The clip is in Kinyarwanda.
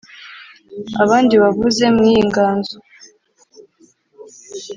abandi wavuze mu iyi nganzo